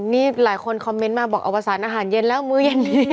นี่หลายคนคอมเมนต์มาบอกอวสารอาหารเย็นแล้วมื้อเย็นนี้